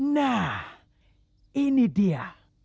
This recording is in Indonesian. nah ini dia